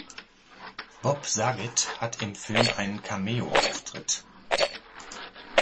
Bob Saget hat im Film einen Cameo-Auftritt.